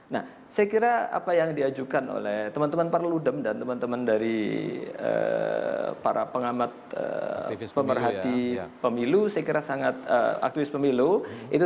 nah saya kira apa yang diajukan oleh teman teman parludem dan teman teman dari para pengamat pemerhati pemilu